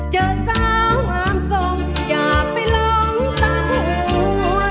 เจอสาวงามทรงอย่าไปลองตามหัว